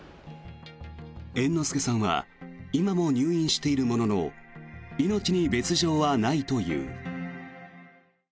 猿之助さんは今も入院しているものの命に別条はないという。